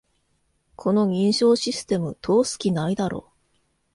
この認証システム、通す気ないだろ